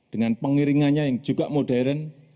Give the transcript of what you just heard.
dengan pengiringannya yang juga modern